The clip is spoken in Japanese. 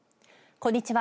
こんにちは。